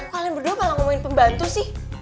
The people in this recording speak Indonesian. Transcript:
kalian berdua kalau ngomongin pembantu sih